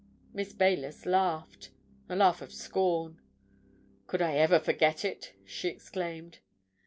Miss Baylis laughed—a laugh of scorn. "Could I ever forget it?" she exclaimed.